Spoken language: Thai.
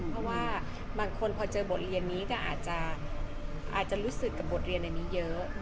เพราะว่าบางคนพอเจอบทเรียนนี้ก็อาจจะรู้สึกกับบทเรียนในนี้เยอะ